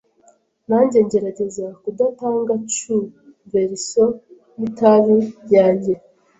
nanjye ngerageza kudatanga chew verisiyo yitabi yanjye